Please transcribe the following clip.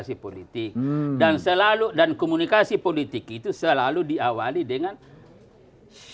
yang ingin memiliki banyakfa anak anak saat itu tak bisa macam itu lagi kan di awam saya ya